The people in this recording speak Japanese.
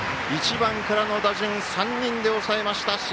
１番からの打順３人で抑えました。